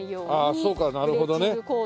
ああそうかなるほどね。